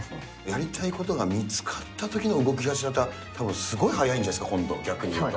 やりたいことが見つかったときの動きだし方、たぶん、すごい早いんじゃないですか、逆に。